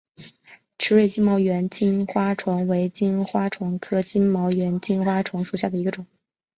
池端金毛猿金花虫为金花虫科金毛猿金花虫属下的一个种。